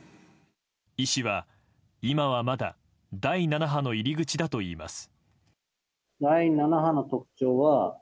医師は今はまだ第７波の入り口だといいます。